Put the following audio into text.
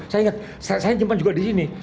saya inget saya simpan juga di sini